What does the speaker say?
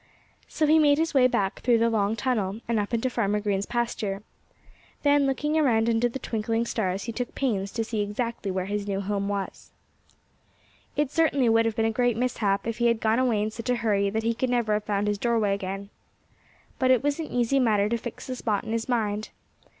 So he made his way back through the long tunnel, and up into Farmer Green's pasture. Then, looking around under the twinkling stars, he took pains to see exactly where his new home was. It certainly would have been a great mishap if he had gone away in such a hurry that he could never have found his doorway again. But it was an easy matter to fix the spot in his mind.